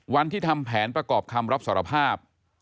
วันที่ทำแผนประกอบคำรับสารภาพ